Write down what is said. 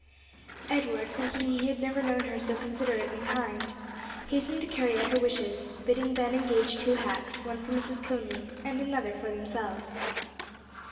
Edward, thinking he had never known her so considerate and kind, hastened to carry out her wishes, bidding Ben engage two hacks one for Mrs. Conly and another for themselves.